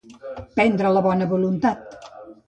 Prendre la bona voluntat.